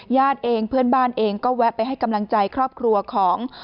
ญาติเองเพื่อนบ้านเองก็แวะไปให้กำลังใจครอบครัวของ